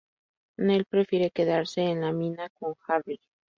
Nell prefiere quedarse en la mina con Harry.